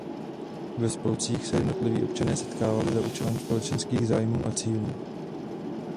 Ve spolcích se jednotliví občané setkávali za účelem společných zájmů a cílů.